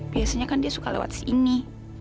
biasanya kan dia suka lewat sini